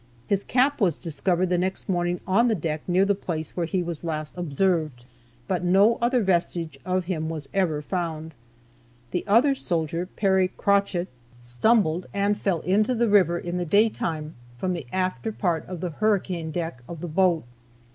His cap was discovered next morning on the deck near the place where he was last observed, but no other vestige of him was ever found. The other soldier, Perry Crochett, stumbled and fell into the river in the day time, from the after part of the hurricane deck of the boat.